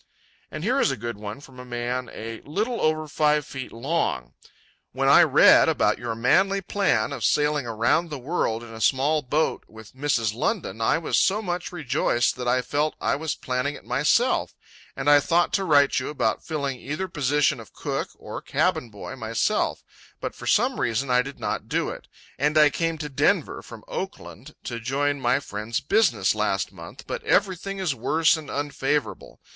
And here is a good one from a man a "little over five feet long": "When I read about your manly plan of sailing around the world in a small boat with Mrs. London, I was so much rejoiced that I felt I was planning it myself, and I thought to write you about filling either position of cook or cabin boy myself, but for some reason I did not do it, and I came to Denver from Oakland to join my friend's business last month, but everything is worse and unfavourable.